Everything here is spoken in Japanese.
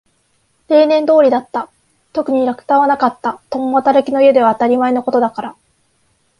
例年通りだった。特に落胆はなかった。共働きの家では当たり前のことだから。